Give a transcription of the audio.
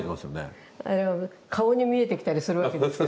でも顔に見えてきたりするわけですよ